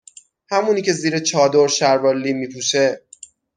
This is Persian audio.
همونی که زیر چادر شلوار لی می پوشه